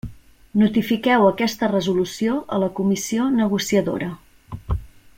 Notifiqueu aquesta resolució a la Comissió negociadora.